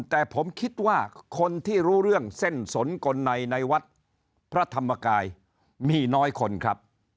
แต่ผมคิดว่าคนที่รู้เรื่องเส้นสนกลในในวัดพระธรรมกายมีน้อยคนครับ